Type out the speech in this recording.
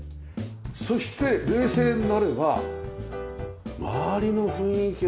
そして冷静になれば周りの雰囲気がまたいいですね。